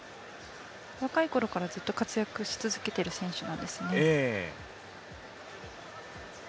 若いころからずっと活躍し続けている選手なんですね。